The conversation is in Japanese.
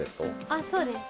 あっそうです